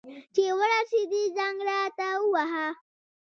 چي ورسېدې، زنګ راته ووهه.